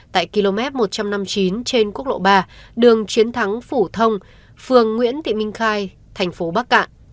tại km một trăm năm mươi chín trên quốc lộ ba đường chiến thắng phủ thông phường nguyễn thị minh khai thành phố bắc cạn